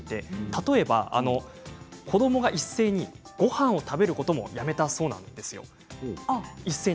例えば子どもが一斉にごはんを食べることもやめたそうなんです。